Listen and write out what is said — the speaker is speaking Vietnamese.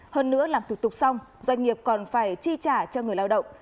hơn nữa làm thủ tục xong doanh nghiệp còn phải chi trả cho người lao động